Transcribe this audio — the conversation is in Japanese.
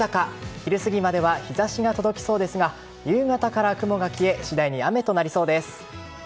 昼過ぎまでは日差しが届きそうですが夕方から雲が消え次第に雨となりそうです。